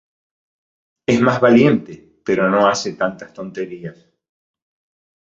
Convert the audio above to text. Es más valiente, pero no hace tantas tonterías.